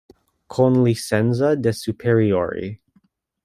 Con licenza de' Superiori.